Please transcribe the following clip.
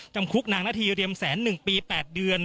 จำคุกนางนาธีเรียมแสน๑ปี๘เดือน